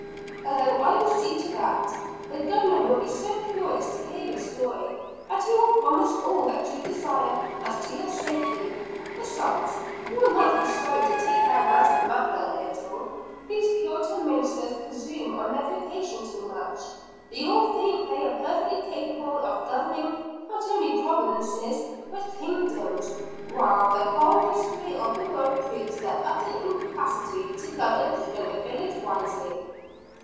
"Oh, I will see to that. The Governor will be so curious to hear your story, that he will promise all that you desire as to your safety. Besides, he will not be sorry to take down Master Mather a little; these Puritan ministers presume on their vocation too much. They all think they are perfectly capable of governing not only Provinces, but Kingdoms; while the whole history of the world proves their utter incapacity to govern even a village wisely."